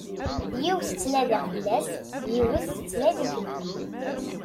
Yiwet ttnadiɣ fell-as, yiwet tettnadi fell-i.